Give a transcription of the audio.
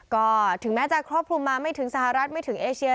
ก็ถึงแม้จะครอบคลุมมาไม่ถึงสหรัฐไม่ถึงเอเชีย